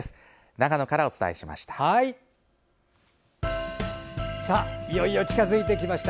長野からお伝えしました。